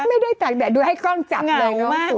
ไม่ได้ตากแดดดูให้กล้องจับเลยน้องสวยมาก